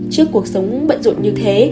trước cuộc sống bận rộn như thế